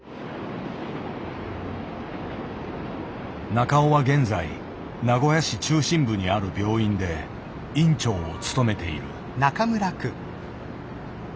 中尾は現在名古屋市中心部にある病院で院長を務めている。